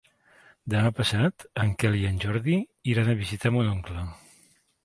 Demà passat en Quel i en Jordi iran a visitar mon oncle.